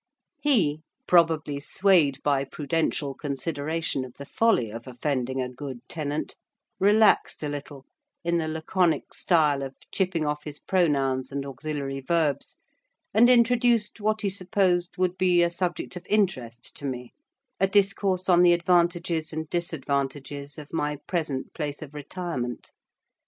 He—probably swayed by prudential consideration of the folly of offending a good tenant—relaxed a little in the laconic style of chipping off his pronouns and auxiliary verbs, and introduced what he supposed would be a subject of interest to me,—a discourse on the advantages and disadvantages of my present place of retirement.